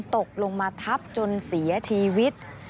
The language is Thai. ตกลงมาทับจนเสียชีวิต